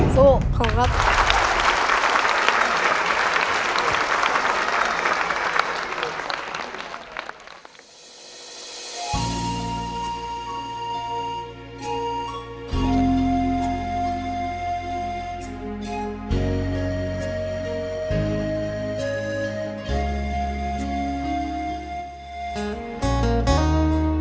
โซ่ขอบคุณครับ